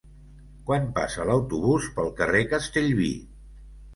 Quan passa l'autobús pel carrer Castellví?